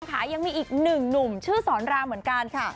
ขายักมีอีก๑หนุ่มชื่อศรรามเหมือนกัน